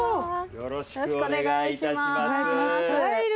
よろしくお願いします。